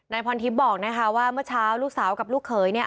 พรทิพย์บอกนะคะว่าเมื่อเช้าลูกสาวกับลูกเขยเนี่ย